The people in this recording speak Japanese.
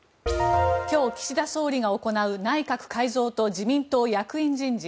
今日、岸田総理が行う内閣改造と自民党役員人事。